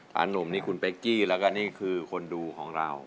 หนุ่มนี่คุณเป๊กกี้แล้วก็นี่คือคนดูของเรา